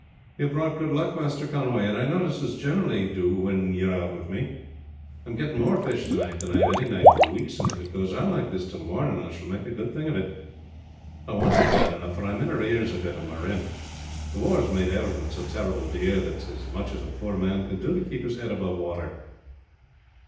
"You have brought good luck, Master Conway; and I notices I generally do well when you are out with me. I am getting more fish to night than I have any night for weeks, and if it goes on like this till morning I shall make a good thing of it. I wants it bad enough, for I am in arrears a bit with my rent. The war has made everything so terrible dear that it is as much as a poor man can do to keep his head above water.